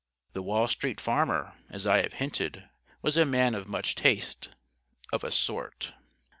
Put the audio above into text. _" The Wall Street Farmer, as I have hinted, was a man of much taste of a sort.